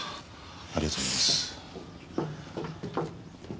ありがとうございます。